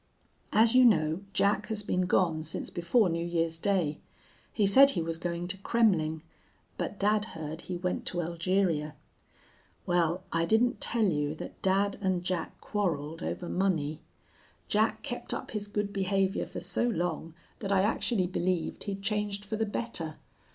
"As you know, Jack has been gone since before New Year's Day. He said he was going to Kremmling. But dad heard he went to Elgeria. Well, I didn't tell you that dad and Jack quarreled over money. Jack kept up his good behavior for so long that I actually believed he'd changed for the better.